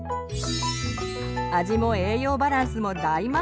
味も栄養バランスも大満足！